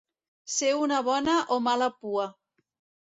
Ser una bona o mala pua.